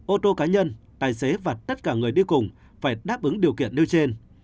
ô tô cá nhân tài xế và tất cả người đi cùng phải đáp ứng điều kiện nêu trên